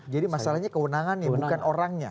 jadi masalahnya kewenangan ya bukan orangnya